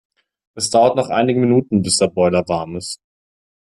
Es dauert noch einige Minuten bis der Boiler warm ist.